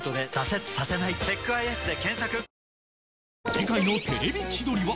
次回の『テレビ千鳥』は